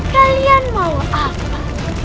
kalian mau apa